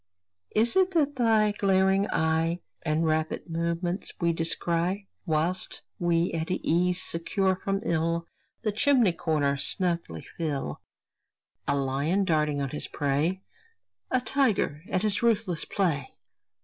Is it that in thy glaring eye And rapid movements we descry Whilst we at ease, secure from ill, The chimney corner snugly fill A lion darting on his prey, A tiger at his ruthless play?